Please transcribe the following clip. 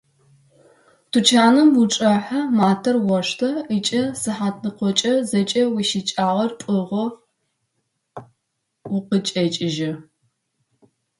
Тучаным учӏэхьэ, матэр оштэ ыкӏи сыхьатныкъокӏэ зэкӏэ уищыкӏагъэр пӏыгъэу укъычӏэкӏыжьы.